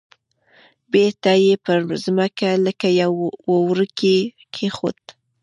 بیرته یې پر مځکه لکه یو وړوکی کېښود.